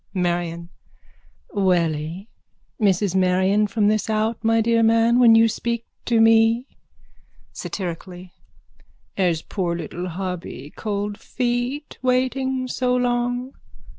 MARION: Welly? Mrs Marion from this out, my dear man, when you speak to me. (Satirically.) Has poor little hubby cold feet waiting so long?